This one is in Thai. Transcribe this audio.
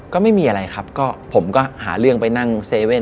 ก็ไม่มีอะไรครับก็ผมก็หาเรื่องไปนั่งเซเว่น